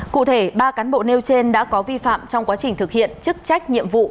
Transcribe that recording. cụ thể ba cán bộ nêu trên đã có vi phạm trong quá trình thực hiện chức trách nhiệm vụ